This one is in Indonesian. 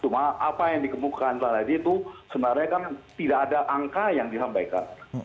tapi apa yang dikemukakan pak raditya itu sebenarnya kan tidak ada angka yang dihampaikan